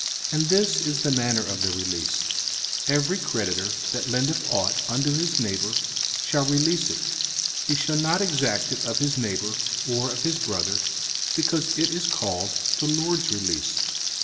05:015:002 And this is the manner of the release: Every creditor that lendeth ought unto his neighbour shall release it; he shall not exact it of his neighbour, or of his brother; because it is called the LORD's release.